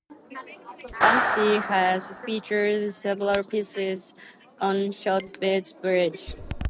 Banksy has featured several pieces on "Shoreditch Bridge".